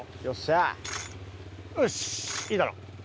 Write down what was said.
よしいいだろう。